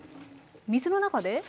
水の中で？